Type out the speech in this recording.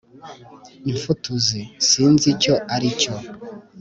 imfutuzi: sinzi icyo aricyo